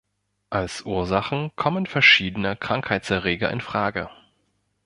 Als Ursachen kommen verschiedene Krankheitserreger in Frage.